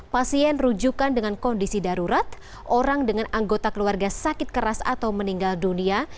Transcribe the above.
pasien rujukan dengan kondisi darurat orang dengan anggota keluarga sakit keras atau meninggal dunia